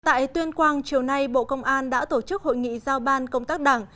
tại tuyên quang chiều nay bộ công an đã tổ chức hội nghị giao ban công tác đảng